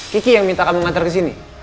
kiki yang minta kamu ngantar ke sini